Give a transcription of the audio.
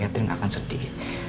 ya pasti catherine akan sedih